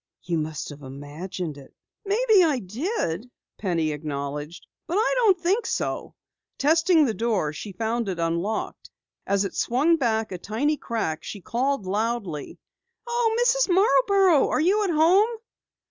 "You must have imagined it." "Maybe I did," Penny acknowledged, "but I don't think so." Testing the door, she found it unlocked. As it swung back a tiny crack, she called loudly: "Oh, Mrs. Marborough, are you at home?"